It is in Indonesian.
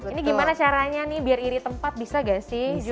ini gimana caranya nih biar iri tempat bisa gak sih